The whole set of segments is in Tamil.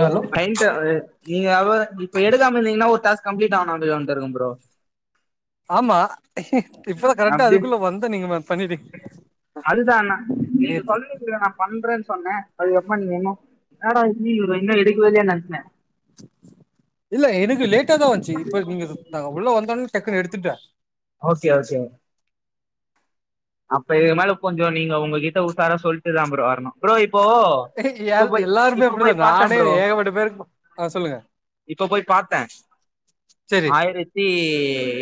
ஹலோ நீங்க அவ இப்ப எடுக்காம இருந்தீங்கன்னா ஒரு டாஸ்க் கம்ப்ளீட் [unintelligible] ப்ரோ ஆமா இப்பதா கரெட்டா அப்படி அதுக்குள்ள வந்தே நீங்க பண்ணீட்டீங்க இல்ல நா பண்றேன்னு சொன்னே அதுக்கு அப்புறமா நீங்க இன்னு என்னடா இவர் இன்னு எடுக்கவே இல்லையேனு நெனச்சே இல்ல எனக்கு லேட்டாதா வந்ச்சு இப்ப நீங்க நா உள்ள வந்தோனே டக்குன்னு எடுத்துட்டே ஓகே ஓகே அப்ப இது மேலே கொஞ்சோ நீங்க உங்ககிட்ட உசாரா சொல்ட்டுதா ப்ரோ வரணு ப்ரோ இப்போ இப்போ போய் எல்லாருமே இப்போ இப்டிதா போய் பார்த்தேன் நானே ஏகப்பட்ட பேருக்கு ஆ சொல்லுங்க இப்ப போய் பாத்தே சரி ஆயிரத் தி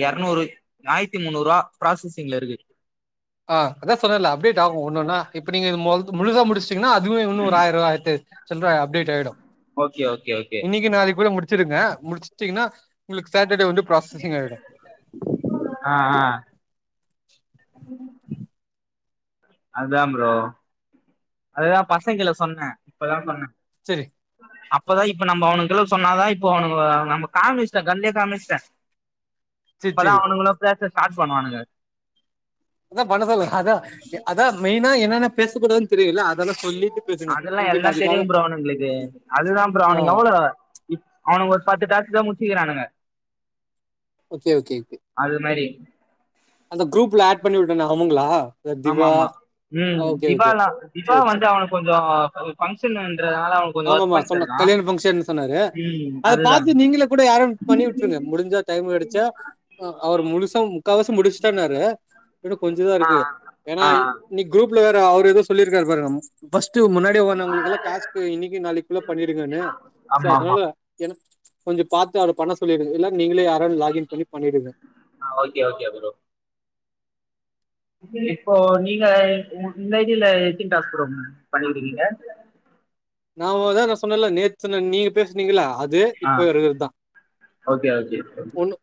எரநூறு ஆயிரத்தி முன்னூருவா ப்ராசஸிங்ல இருக்கு ஆ அதா சொன்னேல்ல அப்டேட் ஆகு ஒன்னொன்னா இப்ப நீங்க முழுசா முடிச்டிங்கன்னா அதுமே இன்னு ஒரு ஆயருவா ஆய்ரத்தி சில்ற அப்டேட் ஆயிடு ஓகே ஓகே ஓகே இன்னிக்கி நாளைக்குள்ள முடிச்சிருங்க முடிச்சுட்டிங்கன்னா உங்களுக்கு சேட்டர்டே வந்து ப்ராசசிங் ஆயிடு ஆ ஆ உஹ அதா ப்ரோ அதா பசங்கைல சொன்னே இப்பதா சொன்னே செரி அப்பதா இப்ப நம்ம அவனுக்குள்ள சொன்னாதா இப்ப அவனுக்கு நம்ம காமிச்சிட்டே கண்லயே காமிச்ட்டே சரி அப்பதா சரி அவனுங்களு பேச ஸ்டார்ட் பண்ணுவானுங்க அதா பன்ன சொன்னே அதா அதா மெயினா என்னென்ன பேசக்கூடாதுன்னு தெரியுல்ல அதெல்லா எல்லா செரியும் ப்ரோ அவுனுங்களுக்கு அதுதா ப்ரோ ஆ அவனுங்க எவ்ளோ அவனு ஒரு பத்து டாஸ்தா முச்சிக்கிறானுங்க ஓகே ஓகே ஓகே அது மாரி அந்த குரூப்ல ஆட் பண்ணி விட்டேனே அவுங்களா ஆமா ஆமா ம் திபால்லா திபா சரி சரி வந்து அவனுக்கு கொஞ்சம் பங்க்ஷன்றதுனால அவனு ஆமா ஆமா சொன்னா கல்யாண பங்க்ஷன் சொன்னாரு ம் அத அதுதா பாத்து நீங்கள கூட யாரு பண்ணி விட்டுருங்க முடிஞ்சா டைம் கடைச்சா அவர் முழுசும் முக்காவாசி முடிச்சுட்டான்னாரு இன்னும் கொஞ்சதா ஆ இருக்கு ஏன்னா ஆ இன்னைக்கு குரூப்ல வேற அவர் எதோ சொல்லிருக்கரு பாருங்க ஃபர்ஸ்ட் முன்னாடி வந்தவங்களுக்கெல்லாம் காசு இன்னைக்கு நாளைக்குள்ள பண்ணிடுங்கன்னு சோ ஆமா ஆமா அதனால எனக் கொஞ்ச பாத்து அத பண்ண சொல்லிடுஙா இல்ல நீங்களே யாராவு லாக்இன் பண்ணி பண்ணிடுங்க ஆ ஓகே ஓகே ப்ரோ இப்போ நீங்க இந்த ஐ டி ல எத்தினி டாஸ்க் மேடம் பண்ணிருக்கீங்க நா ஒருதரசொன்னேல நேற்று சொன்னே நீங்க பேசுனீங்கள அது து ஆ இப்ப இருக்கிறது தா ஓகே ஓகே ஒன்னு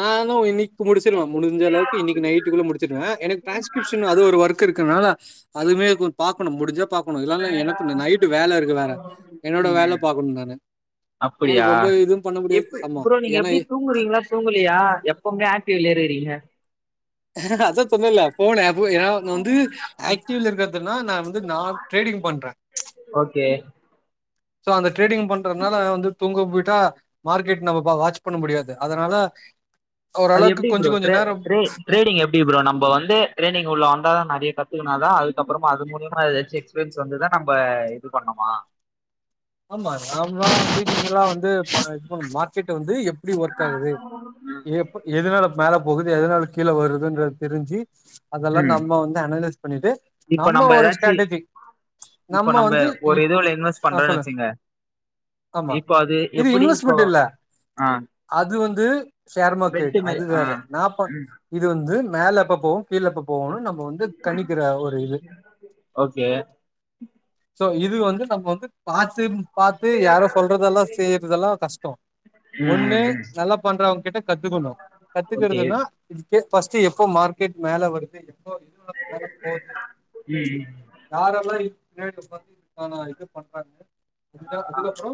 நானு இன்னக்கு முடிச்சிருவ முடிஞ்ச அளவுக்கு இன்க்கு நைட்டுக்குள்ள முடிச்சுடுவே எனக்குடிரான்ஸ்கிப்ஷன் அது ஒர்க் ஒர்க் இருக்கனால அதுமே பாரணும் முடிஞ்சா பாக்கணு இல்ல எனக்கு இந்த நைட்டு வேல இருக்கு வேற என்னோட வேலை ம் பாக்கணும் நானு என்னால அப்படியா ரொம்ப இதுவும் பண்ண முடியாது எப்டி ஆமா ப்ரோ நீங்க ஏன்னா எப்டி தூங்குறீங்களா தூங்கலையா எப்பவுமே ஆக்டிவுல்லையே இருக்றீங்க அதா சொன்னேல்ல போன் ஆப் ஏன்னா வந்து ஆக்டிவ்ல இருக்கறதுனா நான் வந்து நான் ட்ரேடிங் பண்றேன் ஓகே சோ அந்த ட்ரேடிங் பண்றதுனால வந்து தூங்க போயிட்டா மார்கெட் நம வா வாட்ச் பண்ண முடியாது அதனால அது ஓரளவுக்கு எப்டி ப்ரோ கொஞ்சம் ட்ரே கொஞ்சம் நேரம் ட்ரே ட்ரேடிங் எப்டி ப்ரோ நம்ம வந்து டிரேடிங் உள்ள வந்தாதான் மே கத்துக்கனாதான் அதுக்கப்புறமா அது மூலியமாதச்சும் எக்ஸ்பீரியன்ஸ் வந்துதான் நம்ம இது பண்ணமா ஆமா நார்மலா [inaudible] வந்து இதுஇது பண்னணு மார்க்கெட் வந்து எப்டி ஒர்க் ஆகுது எப்ப எதுனால மேல போகுது எதனால கீழே வருதுன்ற தெரிஞ்சு அதெல்லாம் ம் நம்ம வந்து அனலைிஸ் பண்ணிட்டு இப்ப நம்ம ஒரு ஏதாச்சு ஸ்ட்ராட்டஜி இப்ப நம்ம வந்து ஒரு இப் இதுல இன்வெஸ்ட் ஆ பண்றோம்ன்னு சொல்லு வச்சீங்க ஆமா இப்போ அது இது எப்படி இப்போ இன்வெஸ்ட்மெண்ட் இல்ல ஆ அது வந்து ஷேர் மார்க்கெட் பெட்டு மாரி அது ஆ வேற நா பன் இது வந்து மேல அப்ப போகு கீழப்ப போகும்னு நம் இப்ப வந்து கணிக்கிற ஒரு இது ஓகே சோ இது வந்து நம்ம வந்து பாத்து பாத்து யாரு சொல்றதெல்லா செய்யறதெல்லா கஷ்டொ ஒண்ணு ம் நல்லா பண்றவங்க கிட்ட கத்துக்கணும் ஓகே. ம் ஓகே கத்துக்கறதுன்னா இதுகே பஸ்ட் எப்போ மார்க்கெட் மேல வருது எப்போ எது வர மேல போது ம் யாரெல்லா இது பின்னாடி உக்காந்து இதுக்கான இது பண்றாங்க அதுத அதுக்கப்புற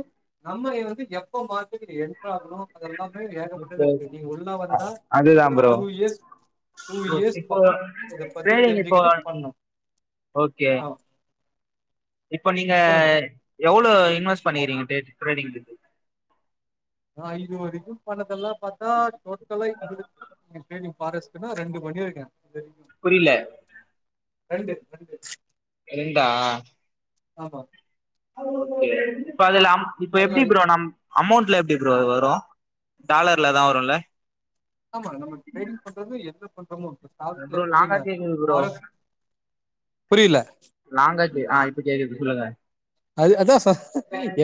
நம்ம வந்து எ ப்ப வந்து எப்ப மார்கெட் என்டர் ஆகணும் அது எல்லாமே ஏகப்பட்டது ஓகே இருக்கு நீங்க உள்ள வந்தா அதுதா ஒரு bro two years two years இப்போ பக்கம் இத பத்தி ட்ரேடிங் இப்போ தெரிஞ்சுக்கிட்டு பண்ணு ஓகே ஆ இப்ப நீங்க சொல்லுங்க எவ்ளோ இன்வெஸ்ட் பண்ணிறீங்க ட்ரேடிங் ட்ரேடிங்ல இருந்து நா இதுவரைக்கி பண்ணதெல்லா பாத்தா டோட்டல இதுவரைக்கு ம் சேவிங் ஃபாரஸ் [unintelligible] ரெண்டு மணி வரைக்கு புரில ரெண்டு ரெண்டு ரெண்டா ஆமா இப்ப அதுலா அம் இப்ப எப்டி அதுல ப்ரோ நம் அமௌண்ட்ல எப்டி அது வரு டாலர்லதா வருல்ல ஆமா நமக்கு டிரேடிங் பண்றது என்ன பண்றமோ அ ப்ரோ லாங்க கேக்குது ப்ரோ புரியில்ல லங்கா கே ஆ இப்ப கேக்குது சொல்லுங்க அது அதா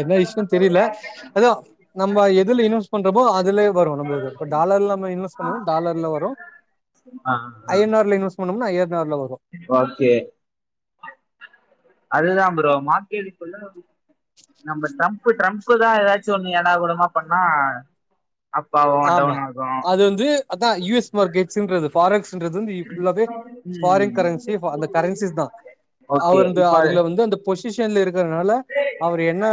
என்ன விஷ்யோ தெரியில அதா நம்ம எதுல இன்வெ பண்றோ அதுலய வரு நம்மளுக்கு இப்ப டாலர்ல நம இன்வெஸ் பண்ணோனா டாலர்ல வரு ஆ ஆ ஆ போனம்னா ஏர்நார்ல வரு ஓகே அதுதா ப்ரோ மாத்தி எடுக்குள்ள நம்ப ட்ரம்ப் ட்ரம்ப் தா ஏதாச்சு ஒண்ணு எடக்கூடாமா பண்ண அப் ஆவு ஆமா டவுன் ஆகு அது வந்து அதா யு எஸ் மார்க்கெட் ஸுன்றது ஃபாரஸ்ன்றது வந்து இ ஃபுல்லவே ஃபாரின் ம் கரன்சி ஃப அந்த கரன்சிஸ் தா ஓகே அவந்து இப்ப அது அதுல வந்து அந் பொசிஷன்ல இருகறனால அவுரு என்ன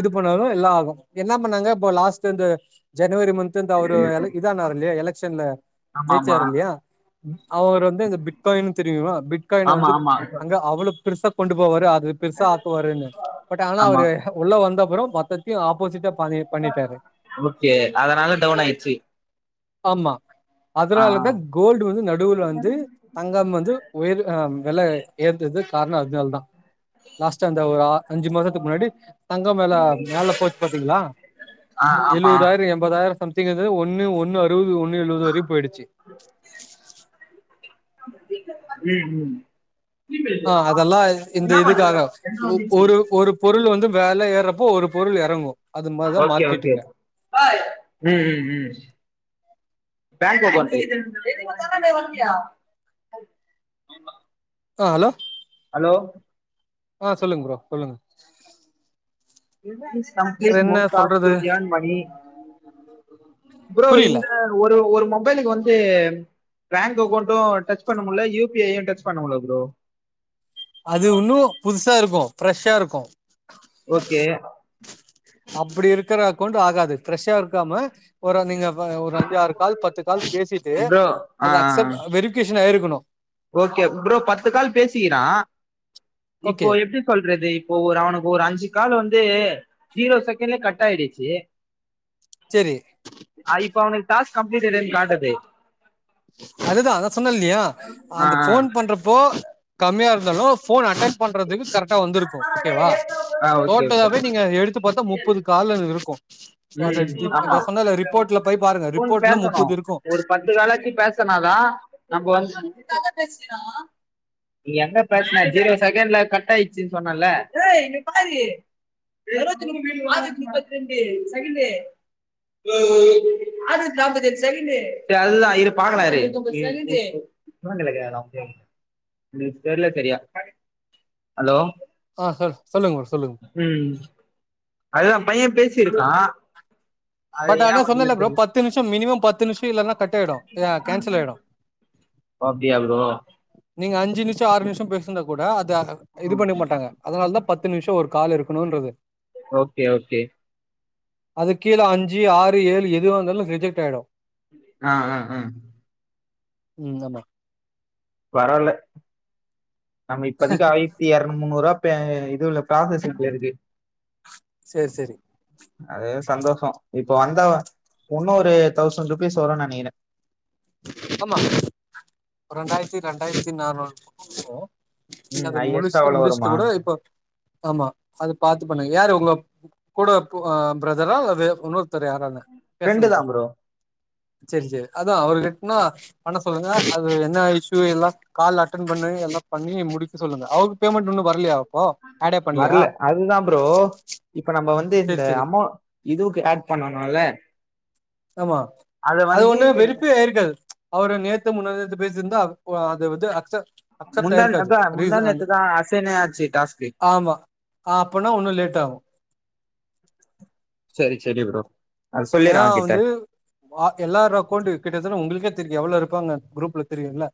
இது பண்ணாலு எல்லா ஆகு என்ன பண்ணாங்க இப்போ லாஸ்ட் இந்த ஜனவரி மந்த்து இந்த அவுரு எலக் இதனாரு இல்லையா எலக்சன்ல ஆமா ஜெயிச்சாருல்லிய அவுரு வந்து இந்த பிட்காயின்னு தெரியுல பிட்காயின ஆமா வந்துப் ஆமா ஆமா அங்க அவ்ளோ பெருசா கொண்டு போவாரு அது பெருசா ஆக்குவாருன்னு பட் ஆனா ஆமா அவ்ரு உள்ள வந்தப்பறோ மொத்தத்தியு ஆப்போசிட்டா பண்ணி பண்ணிட்டாரு ஓகே அதனால டவுன் ஆயிச்சு ஆமா அதனாலதா கோல்டு வந்து நடுவுல் வந்து தங்கம் வந்து உயர் அ வெல ஏர்னது காரண அதனால தா லாஸ்ட்டா அந்த ஒரு அ அஞ்சு மாசத்துக்கு முன்னடி தங்க வெல மேல போச்சு பாத்தீங்களா ஆ ஆ ஆமா ஏழுவதாயிர எம் பதாயிர சம்திங் எதோ ஒண்ணு ஒன்னு அறுவது ஒன்னு எழுவது வரையு போய்டுச்சு ம் ம் ஆ அதெல்லா இந்த இதுக்காக ஒ ஒரு ஒரு பொருளு வந்து வெல ஏறப்போ ஒரு பொருள் எறங்கு அது மாரிதா ஓகே ஓகே மார்க்கெட்டுங்க ம் ம் ம் [unintelligible] ஆ ஹலோ ஹலோ ஆ சொல்லுங்க ப்ரோ சொல்லுங்க [unintelligible] பீஸ் வேற கம்ப்ளீட் என்ன மோர் டாஸ்க் சொல்றது டு எர்ன் மணி ப்ரோ புரியல இந்த ஒரு ஒரு மொபைலுக்கு வந்து பேங்க் அக்கௌண்டோ டச் பண்ண முட்ல யு பி ஐயோ டச் பண்ண முட்ல ப்ரோ அது உன்னோ புதுசா இருக்கோ ஃப்ரெஷ்ஷா இருக்கோ ஓகே அப்புடி இருக்குற அக்கவுண்ட் ஆகாது ஃபிரஷ்ஷா இருக்காம ஒரு நீங்க வ ஒரு அஞ்சு ஆறு கால் பத்து கால் பேசிட்டு ப்ரோ ஆ அது அக்சப்ட் வெரிபிகேஷன் ஆயிருக்கணோ ஓகே ப்ரோ பத்து கால் பேசிக்கிறா இப்போ ஓகே எப்டி சொல்றது இப்ப ஒரு அவனுக்கு ஒரு அஞ்சு காலு வந்து ஜீரோ செகண்ட்லயே கட் ஆயிடுச்சு செரி ஆ இப்ப அவனுக்கு டாஸ்க் கம்ளீட்டடுனு காட்டுதே அதுதா அதா சொன்ன இல்லயா ஆ அந்த ஃபோன் பண்றப்போ கம்மியா இருந்தாலு ஃபோன் அட்டன் பண்றதுக்கு கரட் டா ஆ வந்துருக்கோ ஓகேவா ஆ ஓகே ஓகே டோட்டலாவே நீங்க எடுத்து பாத்தா முப்பது கால்ல இருக்கோ இப்போ அத ம் டிப் ஆமா நா சொன்னல ரிப்போர்ட்ல போய் பாருங்க ஃபோன் ரிப்போர்ட்ல பேசணு முப்பது இருக்கோ ஒரு பத்து கால்லாச்சு பேசனாதா நம்போ வந்து நீ எங்க பேசன ஜீரோ செகண்ட்ல கட் ஆயிச்சுன்னு சொன்னல இருபத்தி ஆற்நூத்தி முப்பத்தி ரெண்டு செகண்டு ஆற்நூத்தி நாப்பத்தஞ்சு செகேண்டு ஆற்நூத்தி நாப்பத்தஞ்சு செகேண்டு இவ கைல கேக்லா ஃப்ரீயா இருக்கியானு ஆ சார் சொல்லுங்க மேடம் சொல்லுங்க உம் அதுதா பைய பேசியிருக்கா பட் ஆனா சொன்ன இல்ல ப்ரோ பத்து நிமிஷோ மினிமம் பத்து நிமிஷோ இல்லன்னா கட்டாயிடோ கேன்சல் ஆயிடோ அப்டியா ப்ரோ நீங்க அஞ்சு நிம்ஷோ ஆறு நிம்ஷோ பேசிர்ந்தா கூட அ இது பண்ணிக்க மாட்டாங்க அதனாலதா பத்து நிம்ஷோ ஒரு கால் இருக்கணோன்றது ஓகே ஓகே அது கீழ அஞ்சு ஆறு ஏழு எதுவந்தாலு ரிஜெக்ட் ஆயிடோ ஆ ஆ ஆ ம் ஆமா வரல நம்ம இப்பதைக்கி ஆயிரத்தி எர நூத்து முன்னூறூபா பே இதுல ப்ராசஸிப்ல இருக்கு செரி செரி அதே சந்தோஷோ இப்ப வந்து இன்னோரு தௌசண்ட் ருபீஸ் வரோனு நெனைக்கிற ஆமா ரெண்டாயத்தி ரெண்டாயிர்த்தி நானூறு பக்கோ வரோ நீங்க ம் அத ஹையஸ்டா முழுசு அவ்வளோ வருமா முடிச்ட்டு கூட இப்ப ஆமா அத பாத்து பண்ணுங்க யாரு உங்க அப் கூட இப்போ அ ப்ரதரா அல்லது உன்னோர்த்தரு யாரானு ஃப்ரெண்டு பேசன்து தான் ப்ரோ செர் செரி அதா அவருகிட் இன்னோ பண்ண சொல்லுங்க அது என்ன இஷு எல்லா கால் அட்டன் பண்ணி எல்லா பண்ணி முடிக்க சொல்லுங்க அவுருக்கு பேமெண்ட்டு இன்னோ வர்லயா வர்ல அதுதா ப்ரோ இப்ப நம்ப வந்து சரி இந்த சரி அமௌ இதுவுக்கு ஆட் பண்ணனோல ஆமா அது ஒண்ணு வெறுப்பு ஏறிக்காது அவரு நேத்து முந்தா நேத்து பேசிர்ந்தா ஓ அது வந்து அக்ச அக்சப்ட் முந்தா ஆயிருக்காது அதா முந்தா ரீசன் நேத்துதா அசைனே ஆச்சு டாஸ்க்கு ஆமா ஆ அப்பனா உன்னோ லேட் ஆவோ செரி செரி ப்ரோ அது சொல்லிரு ஏன்னா அவங்கிட்ட வந்து ஆ எல்லார் அக்கௌண்ட்டு கிட்டத்தட்ட உங்களுக்கே தெரியு எவ்வளோ இருப்பாங்க குரூப்ல தெரியும்ல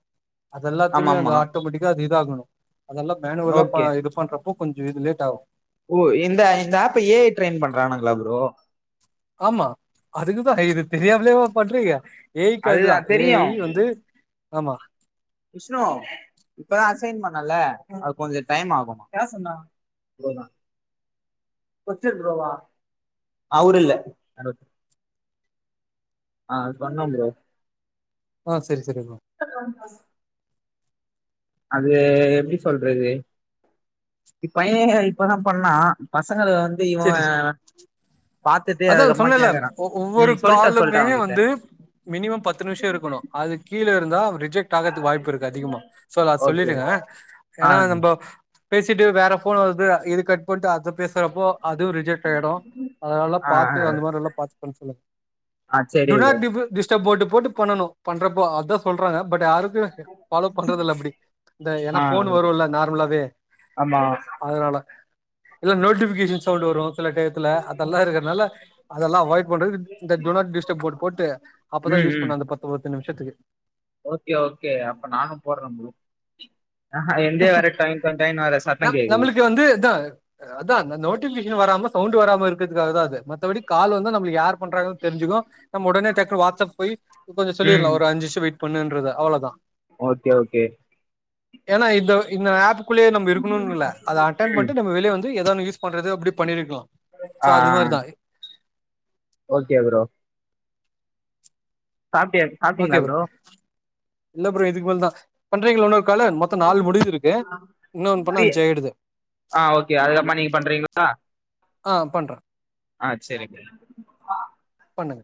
ஆமா அதுல்லாத்தையுமே வந்து ஆமா ஆட்டோமெட்டிக்கா அது இதாகணு அதெல்லா மேனுவலா ப ஓகே இது பண்ற போ கொஞ்ச இது லேட்டாகு ஓ இந்த இந்த ஆப்ப ஏ ஐ ட்ரெயின் பண்றானுங்களா ப்ரோ ஆமா அதுக்குத்தா இது தெரியாமலேவா பண்றீங்க ஏ ஐ அதுதா க்காகதா ஏ தெரியு ஐ வந்து ஆமா விஷ்ணு இப்பதா அசைன் பண்ணல்ல அது கொஞ்ச டைம் ஆகு அவர் இல்ல ஆ சொன்ன ப்ரோ ஆ சேரி சேரி [inaudible] போன மாச அது எப்டி சொல்றது இ பையனே இப்பதா பண்ணா பசங்கள வந்து இவ பாத்துட்டு அதா அதுக்கப்புறமா சொன்னல்ல கேக்குறா ஒ ஒவ்வொரு ம் சொல்ட்டே சொல்ட்டே காலுமே அவங்கிட்ட வந்து மினிமம் பத்து நிமிஷ இருக்கணு அதுக் கீழ இருந்தா ரிஜெக்ட் ஆகுறதுக்கு வாய்ப்பு இருக்கு அதிகமா சோ அத ஓகே சொல்லிடுங்க ஆ ஏன்னா நம்போ பேசிட்டு வேற ஃபோன் வருது இத கட் பண்ணிட்டு அது பேசுற அதுவு ரிஜெக்ட் ஆயிடு அதனால ஆ பாத்து ஆ அந்த மாதிரி எல்லா பாத்து பண்ண சொல்லுங்க ஆ டு செரி ப்ரோ நாட் டிப்பு டிஸ்டர்ப் போட்டு போட்டு பண்ணணு பண்றப்ப அதா சொல்றாங்க பட் யாரும் இது ஃபாலோ பண்றது இல்ல அப்டி இந்த ஏன்னா ஆ ஃபோன் வருல்ல நார்மலாவே ஆமா அதனால இல்ல நோட்டிஃபிகேஷன் சவுண்டு வரு சில டயத்துல அதெல்லா இருக்கனால அதெல்லா அவாய்ட் பண்றதுக்கு இந்த டு நாட் டிஸ்டப் போட்டு போட்டு அப்பதா ம் யூஸ் ம் பண்ண அந்த பத்து பத்து நிமிஷத்துக்கு ஓகே ஓகே அப்ப நானு போட்ற ப்ரோ ஆஹ எந்தே வர டைம் டைம வர சத்தம் கேக்குது இது வந்து இதா அதா இந்த நோட்டிஃபிகேஷன் வராம சவுண்டு வராம இருக்கறதுக்குத்தா அது மத்தபடி கால் வந்தா நம்மளுக்கு யார் பண்றாங்கன்னு தெரிஞ்சுக்கு நம்ம ஒடனே டக்குன்னு வாட்ஸப் போய் கொஞ்ச சொல்லில்லா ம் ஒரு அஞ்சு நிமிஷ வெயிட் பண்ணுன்றது அவ்ளோதா ஓகே ஓகே ஏன்னா இந்த இந்த ஆப்புக்குள்ளே நம்ப இருக்கணும்னு இல்ல அத அட்டன் ம் பண்ணிட்டு நம்ப வெளியே வந்து ஏதோ ஒன் யூஸ் பண்றது அப்டி பண்ணிருக்கலா சோ ஆ அது ஆ மாதிரிதா ஓகே ப்ரோ சாப்ட்டியா ஓகே ப்ரோ இல்ல ப்ரோ இதுக்கு மேல தா பண்றீங்களா இன்னோரு காலு மொத் மொத்த நாலு முடிஞ்சிருக்கு இன்னொன்னு பண்ணா ஃப்ரீ அஞ்சு ஆயிடுது ஆ ஓகே அதுக்கப்புறமா நீங்க பண்றீங்களா ஆ பண்ற ஆ சேரி ப்ரோ பண்ணுங்க